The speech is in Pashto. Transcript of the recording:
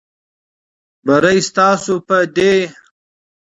بری ستاسو په دی.